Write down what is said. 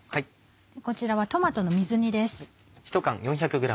こちらはトマトの水煮です。